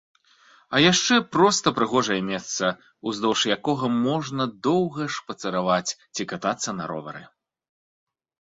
А яшчэ проста прыгожае месца, уздоўж якога можна доўга шпацыраваць ці катацца на ровары.